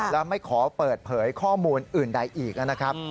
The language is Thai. แล้วไม่ขอเปิดเผยข้อมูลอื่นใดอีกนะครับ